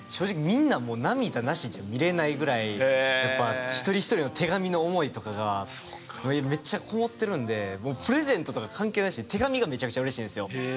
みんなもう涙なしじゃ見れないぐらいやっぱ一人一人の手紙の思いとかがめっちゃこもってるんでもうプレゼントとか関係なしに手紙がめちゃくちゃうれしいんですよ。